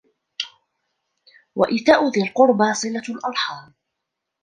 وَإِيتَاءُ ذِي الْقُرْبَى صِلَةُ الْأَرْحَامِ